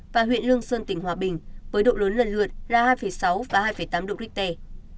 và huyện lương sơn tỉnh hòa bình với độ lớn lần lượt là hai sáu và hai tám độ richter